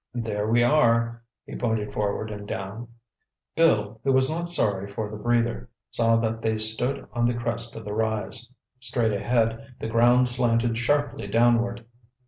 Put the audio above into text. "There we are!" He pointed forward and down. Bill, who was not sorry for the breather, saw that they stood on the crest of the rise. Straight ahead the ground slanted sharply downward.